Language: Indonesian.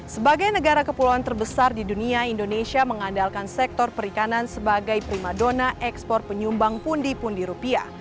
sebagai negara kepulauan terbesar di dunia indonesia mengandalkan sektor perikanan sebagai prima dona ekspor penyumbang pundi pundi rupiah